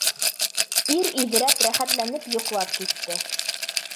Ир иҙрәп рәхәтләнеп йоҡлап китте.